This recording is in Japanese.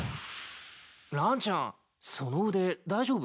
ランちゃんその腕大丈夫？